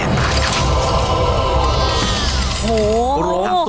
โอ้โห